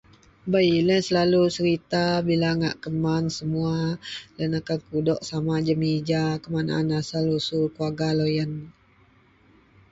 Beilah selalu serita bila ngak keman semua loyen akan kudok sama jemija, kuman aan asal usul keluwarga loyen